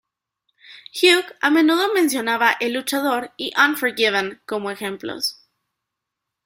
Hugh a menudo mencionaba "El luchador" y "Unforgiven" como ejemplos.